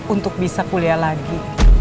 untuk bisa kuliah lagi